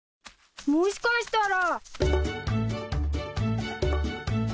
もしかしたら！